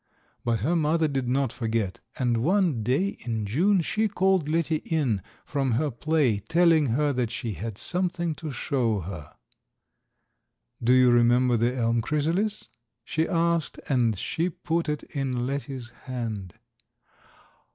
But her mother did not forget, and one day in June she called Letty in from her play telling her that she had something to show her. "Do you remember the elm chrysalis?" she asked, and she put it in Letty's hand.